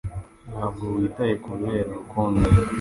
Ntabwo witaye kubibera Rukondo